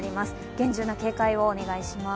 厳重な警戒をお願いします。